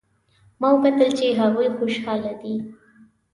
ما وکتل چې هغوی خوشحاله دي